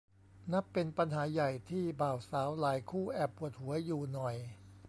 นับเป็นปัญหาใหญ่ที่บ่าวสาวหลายคู่แอบปวดหัวอยู่หน่อย